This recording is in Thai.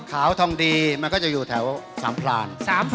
ขาวทองดีมันก็จะอยู่แถวสามพลาน